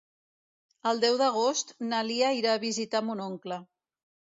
El deu d'agost na Lia irà a visitar mon oncle.